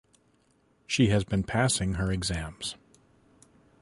She has been passing her exams.